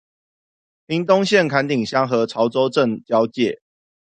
屏東縣崁頂鄉和潮州鎮交界